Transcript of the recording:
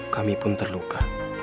kami pun terluka